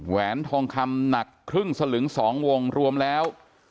แหนทองคำหนักครึ่งสลึง๒วงรวมแล้ว